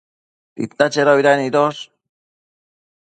Tita chedobida nidosh?